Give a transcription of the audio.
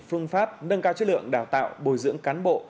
phương pháp nâng cao chất lượng đào tạo bồi dưỡng cán bộ